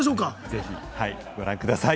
ぜひご覧ください。